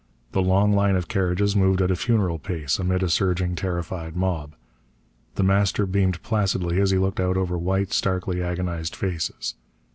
The long line of carriages moved at a funereal pace amid a surging, terrified mob. The Master beamed placidly as he looked out over white, starkly agonized faces.